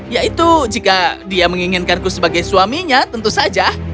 yaitu jika dia menginginkanku sebagai suaminya tentu saja